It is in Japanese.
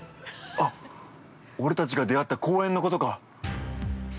あっ、俺たちが出会った公園のことか。